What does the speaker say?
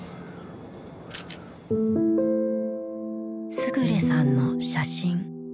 勝さんの写真。